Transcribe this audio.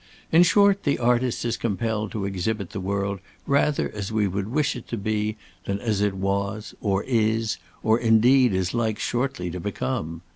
In short, the artist is compelled to exhibit the world rather as we would wish it to be, than as it was or is, or, indeed, is like shortly to become.